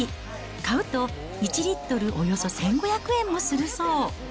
買うと１リットルおよそ１５００円もするそう。